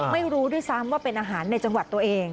ไม่รู้ด้วยซ้ำว่าเป็นอาหารในจังหวัดตัวเอง